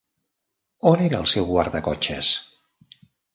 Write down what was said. On era el seu guardacotxes?